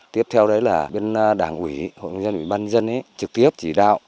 tiếp theo là đảng ủy hội đồng dân ủy ban dân trực tiếp chỉ đạo